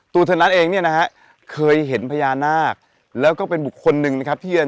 ตัวเธอนั้นเองเนี่ยนะฮะเคยเห็นพญานาคแล้วก็เป็นบุคคลหนึ่งนะครับที่จะ